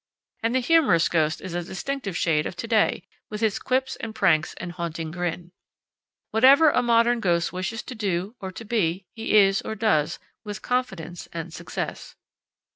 And the humorous ghost is a distinctive shade of to day, with his quips and pranks and haunting grin. Whatever a modern ghost wishes to do or to be, he is or does, with confidence and success.